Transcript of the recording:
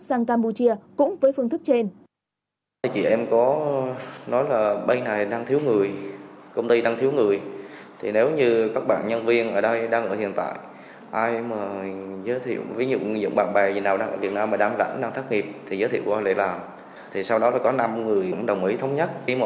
sang campuchia cũng với phương thức trên